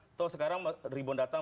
atau sekarang ribuan datang